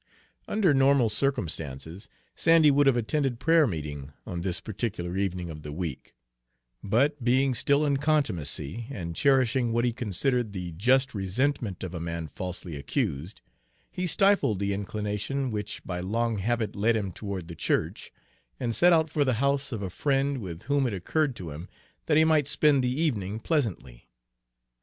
Under normal circumstances, Sandy would have attended prayer meeting on this particular evening of the week; but being still in contumacy, and cherishing what he considered the just resentment of a man falsely accused, he stifled the inclination which by long habit led him toward the church, and set out for the house of a friend with whom it occurred to him that he might spend the evening pleasantly.